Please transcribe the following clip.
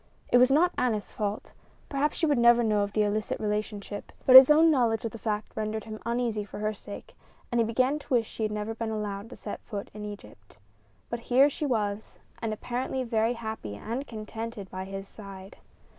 It was not Aneth's fault perhaps she would never know of the illicit relationship; but his own knowledge of the fact rendered him uneasy for her sake, and he began to wish she had never been allowed to set foot in Egypt. But here she was, and apparently very happy and contented by his side.